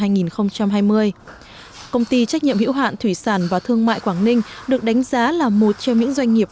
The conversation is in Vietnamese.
công ty trách nhiệm hữu hạn thủy sản và thương mại quảng ninh được đánh giá là một trong những doanh nghiệp